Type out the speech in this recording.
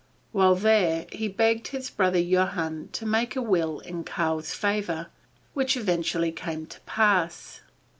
While there, he begged his brother Johann to make a will in Karl's favor, which eventually came to pass.